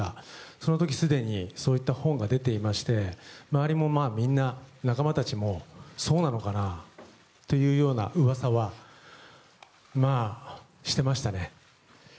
その時すでにそういった本が出ていまして周りもみんな仲間たちもそうなのかなというような噂はしていましたね。